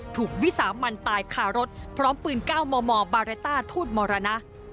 ถูกวิสามันตายคารถพร้อมปืน๙มมบาเรต้าทูตมรณะ